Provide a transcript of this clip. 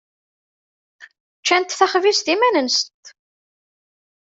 Ččant taxbizt iman-nsent.